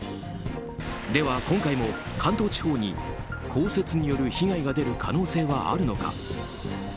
では、今回も関東地方に降雪による被害が出る可能性はあるのか。